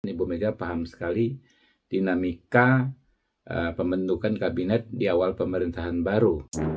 ibu mega paham sekali dinamika pembentukan kabinet di awal pemerintahan baru